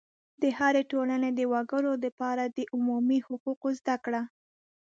د هرې ټولنې د وګړو دپاره د عمومي حقوقو زده کړه